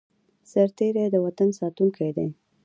سرتیری د وطن ساتونکی دی